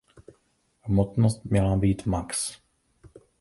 Hmotnost měla být max.